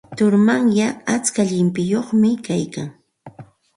Turumanyay atska llimpiyuqmi kaykan.